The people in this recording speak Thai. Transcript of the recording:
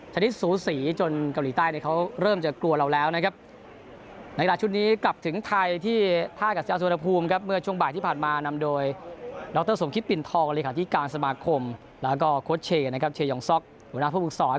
ชนิดสูสีจนเกาหลีใต้เนี่ยเขาเริ่มจะกลัวเราแล้วนะครับในเวลาชุดนี้กลับถึงไทยที่ท่ากัชญาสุวรรณภูมิครับเมื่อช่วงบ่ายที่ผ่านมานำโดยดรสมคิตปิ่นทองเลขาธิการสมาคมแล้วก็โค้ชเชนะครับเชยองซ็อกหัวหน้าผู้ฝึกศร